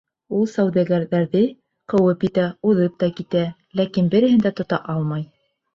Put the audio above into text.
Ул сауҙагәрҙәрҙе ҡыуып етә, уҙып та китә, ләкин береһен дә тота алмай.